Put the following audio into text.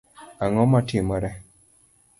Ang’o matimore?